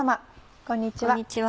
こんにちは。